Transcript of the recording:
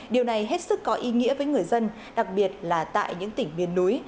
điều này hết sức có ý nghĩa với người dân đặc biệt là tại những tỉnh miền núi